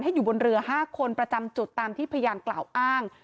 อยู่บนเรือ๕คนประจำจุดตามที่พยานกล่าวอ้าง